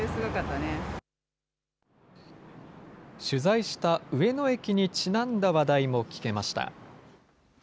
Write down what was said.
取材した上野駅にちなんだ話題も聞けました。